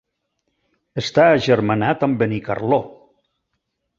Està agermanat amb Benicarló.